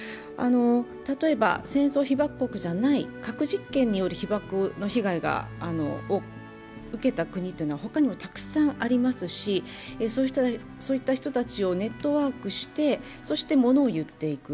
例えば、戦争被爆国じゃない、核実験による被爆の被害を受けた国は他にもたくさんありますし、そういった人たちをネットワークして物を言っていく。